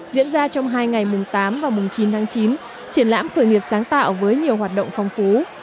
diễn ra trong hai ngày mùng tám và mùng chín tháng chín triển lãm khởi nghiệp sáng tạo với nhiều hoạt động phong phú